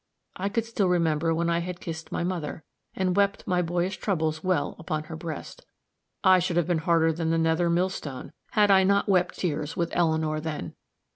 I could still remember when I had kissed my mother, and wept my boyish troubles well upon her breast. I should have been harder than the nether millstone, had I not wept tears with Eleanor then.